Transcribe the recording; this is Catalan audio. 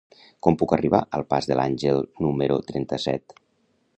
Com puc arribar al pas de l'Àngel número trenta-set?